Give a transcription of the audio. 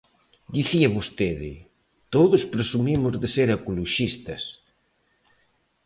Dicía vostede: todos presumimos de ser ecoloxistas.